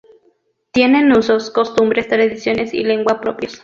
Tienen usos, costumbres, tradiciones y lengua propios.